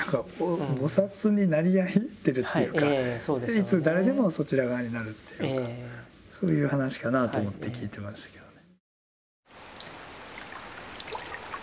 いつ誰でもそちら側になるっていうかそういう話かなと思って聞いてましたけどね。